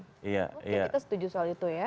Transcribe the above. mungkin kita setuju soal itu ya